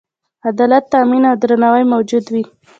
عدالت تأمین او درناوی موجود وي.